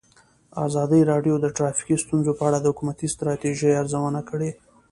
ازادي راډیو د ټرافیکي ستونزې په اړه د حکومتي ستراتیژۍ ارزونه کړې.